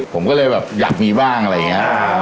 ผมก็เลยแบบอยากมีบ้างอะไรอย่างนี้